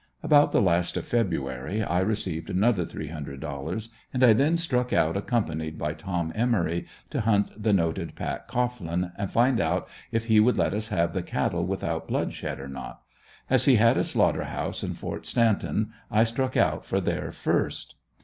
About the last of February I received another three hundred dollars and I then struck out, accompanied by Tom Emory, to hunt the noted Pat Cohglin and find out if he would let us have the cattle without bloodshed or not. As he had a slaughter house in Fort Stanton I struck out for there first.